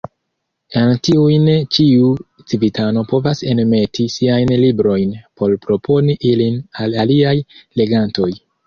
En tiujn ĉiu civitano povas enmeti siajn librojn por proponi ilin al aliaj legantoj.